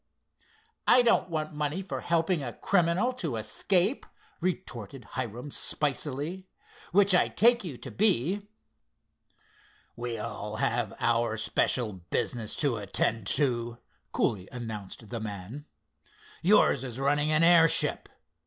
"I don't want money for helping a criminal to escape," retorted Hiram spicily—"which I take you to be." "We all have our special business to attend to," coolly announced the man. "Yours is running an airship.